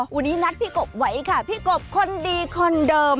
วันนี้นัดพี่กบไว้ค่ะพี่กบคนดีคนเดิม